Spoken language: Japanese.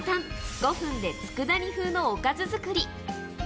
５分でつくだ煮風のおかず作り。